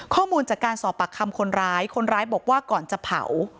ข้อมูลจากการสอบปากคำคนร้ายคนร้ายบอกว่าก่อนจะเผา